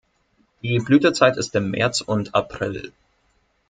Die Blütezeit ist im März und April.